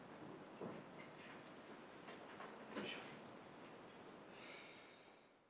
よいしょ。